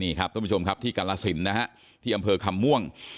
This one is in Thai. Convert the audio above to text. นี่ครับท่านผู้ชมครับที่กาลสินนะฮะที่อำเภอคำม่วง